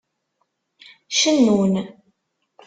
Cennun.